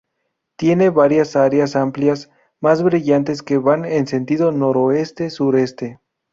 Tiene varias áreas amplias más brillantes que van en sentido noroeste-sureste.